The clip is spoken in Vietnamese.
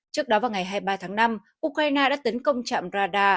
trước đó vào ngày hai mươi ba tháng năm ukraine đã tấn công trạm radar